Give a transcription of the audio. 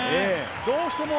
どうしても